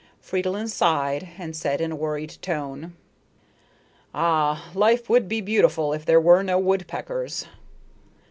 Fridolin sighed and said in a worried tone: "Ah, life would be beautiful if there were no woodpeckers."